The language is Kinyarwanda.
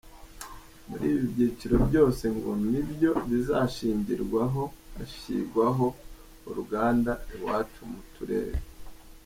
Muri ibi byiciro byose ngo nibyo bizashingirwaho hashyirwaho “Uruganda Iwacu mu turere.